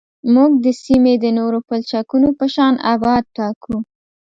موږ د سیمې د نورو پلچکونو په شان ابعاد ټاکو